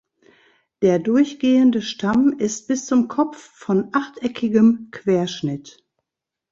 Der durchgehenden Stamm ist bis zum Kopf von achteckigem Querschnitt.